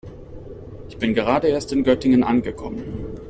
Ich bin gerade erst in Göttingen angekommen